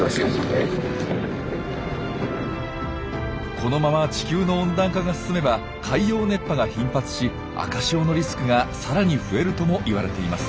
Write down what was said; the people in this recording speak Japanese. このまま地球の温暖化が進めば海洋熱波が頻発し赤潮のリスクがさらに増えるともいわれています。